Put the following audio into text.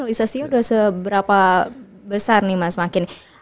itu udah seberapa besar nih mas makin